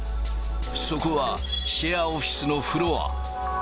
そこはシェアオフィスのフロア。